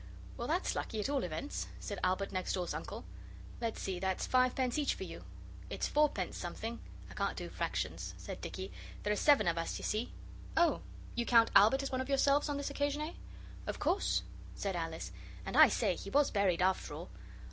'Well, that's lucky, at all events,' said Albert next door's uncle. 'Let's see, that's fivepence each for you.' 'It's fourpence something; I can't do fractions,' said Dicky; 'there are seven of us, you see.' 'Oh, you count Albert as one of yourselves on this occasion, eh?' 'Of course,' said Alice; 'and I say, he was buried after all.